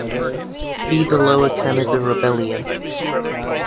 See the Lower Canada Rebellion.